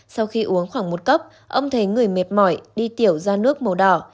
sau khi uống khoảng một cốc ông thấy người mệt mỏi đi tiểu ra nước màu đỏ